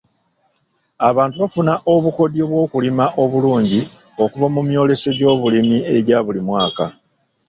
Abantu bafuna obukodyo bw'okulima obulungi okuva mu myoleso gy'obulimi egya buli mwaka.